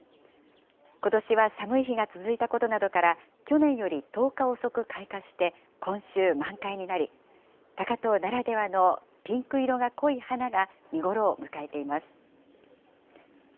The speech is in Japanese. ことしは寒い日が続いたことなどから、去年より１０日遅く開花して、今週満開になり、高遠ならではのピンク色が濃い花が見頃を迎えています。